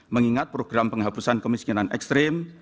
mengingat program penghapusan kemiskinan ekstrim